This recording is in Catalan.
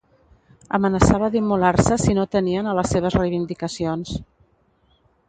Amenaçava d'immolar-se si no atenien a les seves reivindicacions.